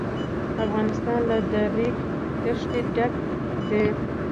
افغانستان له د ریګ دښتې ډک دی.